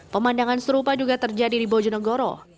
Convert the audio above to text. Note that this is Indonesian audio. pemandangan serupa juga terjadi di bojonegoro